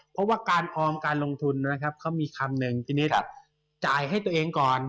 เพราะว่าการออมการลงทุนนะครับเขามีคำหนึ่งทีนี้จ่ายให้ตัวเองก่อน